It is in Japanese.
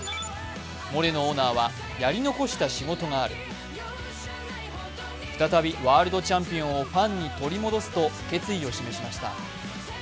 モレノオーナーは、やり残した仕事がある、再びワールドチャンピオンをファンに取り戻すと決意を示しました。